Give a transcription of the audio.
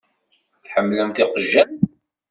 Tḥemmlemt iqjan?